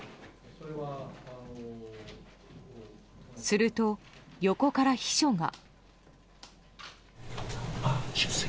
すると、横から秘書が。